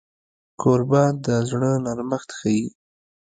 کوربه د زړه نرمښت ښيي.